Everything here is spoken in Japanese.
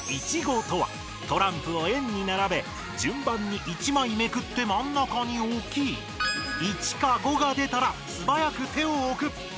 「１５」とはトランプを円にならべじゅんばんに１まいめくってまん中におき「１」か「５」が出たらすばやく手をおく。